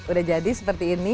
udah jadi seperti ini